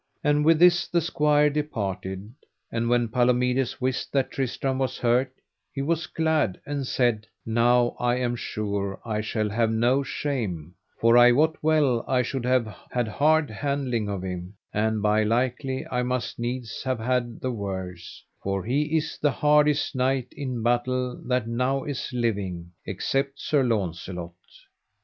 And with this the squire departed; and when Palomides wist that Tristram was hurt he was glad and said: Now I am sure I shall have no shame, for I wot well I should have had hard handling of him, and by likely I must needs have had the worse, for he is the hardest knight in battle that now is living except Sir Launcelot.